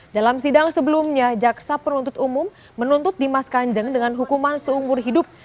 dalam sidang sebelumnya jaksa penuntut umum menuntut dimas kanjeng dengan hukuman seumur hidup